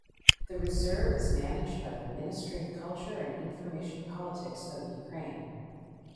The reserve is managed by the Ministry of Culture and Information Politics of Ukraine.